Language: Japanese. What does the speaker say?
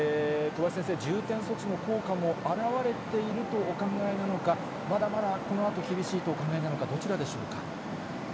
小林先生、重点措置の効果も表れているとお考えなのか、まだまだこのあと厳しいとお考えなのか、どちらでしょうか。